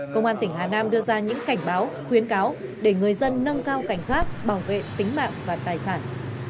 công an tỉnh hà nam đưa ra những cảnh báo khuyến cáo để người dân nâng cao cảnh giác bảo vệ tính mạng và tài sản